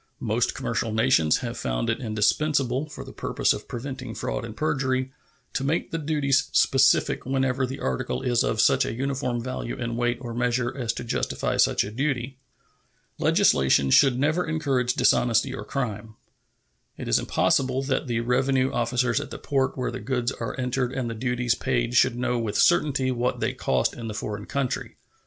Most commercial nations have found it indispensable, for the purpose of preventing fraud and perjury, to make the duties specific whenever the article is of such a uniform value in weight or measure as to justify such a duty. Legislation should never encourage dishonesty or crime. It is impossible that the revenue officers at the port where the goods are entered and the duties paid should know with certainty what they cost in the foreign country.